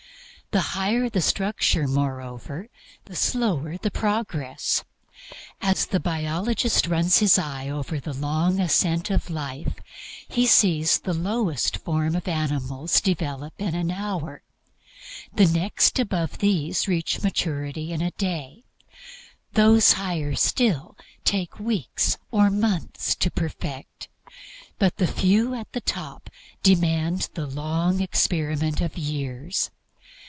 The higher the structure, moreover, the slower the progress. As the biologist runs his eye over the long Ascent of Life, he sees the lowest forms of animals develop in an hour; the next above these reach maturity in a day; those higher still take weeks or months to perfect; but the few at the top demand the long experiment of years.